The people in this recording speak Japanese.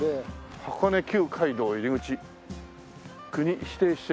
「箱根旧街道入口国指定史跡」